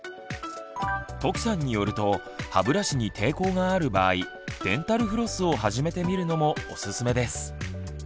土岐さんによると歯ブラシに抵抗がある場合デンタルフロスを始めてみるのもおすすめです。